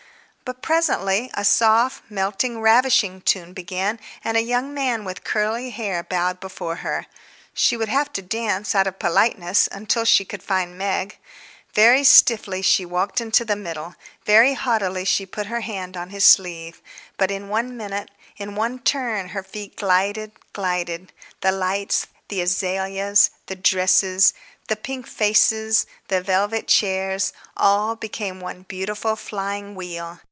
But presently a soft, melting, ravishing tune began, and a young man with curly hair bowed before her. She would have to dance, out of politeness, until she could find Meg. Very stiffly she walked into the middle; very haughtily she put her hand on his sleeve. But in one minute, in one turn, her feet glided, glided. The lights, the azaleas, the dresses, the pink faces, the velvet chairs, all became one beautiful flying wheel.